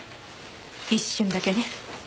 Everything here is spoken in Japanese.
一瞬だけね。